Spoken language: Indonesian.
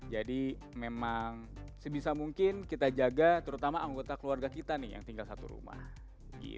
jadi memang sebisa mungkin kita jaga terutama anggota keluarga kita nih yang tinggal satu rumah diri nih